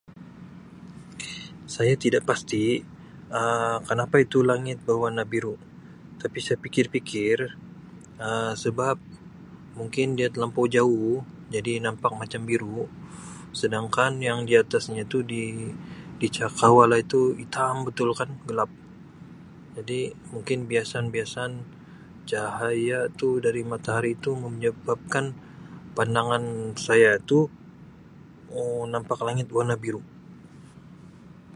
Saya tidak pasti Um kenapa itu langit bewarna biru tapi saya pikir-pikir Um sebab mungkin dia telampau jauh jadi nampak macam biru sedangkan yang di atasnya itu di-di cakerawala itu hitam betul kan gelap jadi mungkin biasan biasan cahaya tu dari matahari tu menyebabkan pandangan saya tu Um nampak langit warna biru.